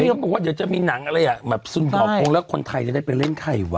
เออใช่เป็นว่าเดี๋ยวจะมีหนังของอะไรอ่ะแบบสุดเหงาพงแล้วคนไทยใดได้ไปเล่นใครหรือวะ